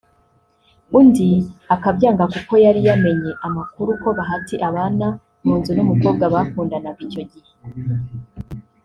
undi akabyanga kuko yari yamenye amakuru ko Bahati abana mu nzu n'umukobwa bakundanaga icyo gihe